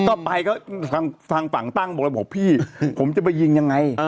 ต่อไปก็ฝั่งฝั่งตั้งบอกพี่ผมจะไปยิงยังไง